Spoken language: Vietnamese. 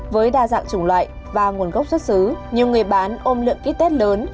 với đa dạng chủng loại và nguồn gốc xuất xứ nhiều người bán ôm lượng ký test lớn